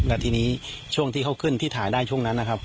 แล้วทีนี้ช่วงที่เขาขึ้นที่ถ่ายได้ช่วงนั้นนะครับ